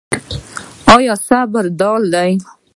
آیا صبر ډال دی؟